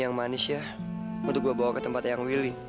aku mau sekat mawar mohammadming